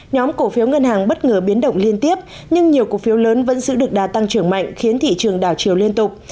nhóm cổ phiếu ngân hàng bất ngờ biến động liên tiếp nhưng nhiều cổ phiếu lớn vẫn giữ được đà tăng trưởng mạnh khiến thị trường đảo chiều liên tục